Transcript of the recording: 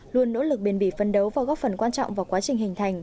luôn nỗ lực biên bỉ phân đấu vào góp phần quan trọng vào quá trình hình thành